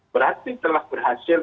berarti telah berhasil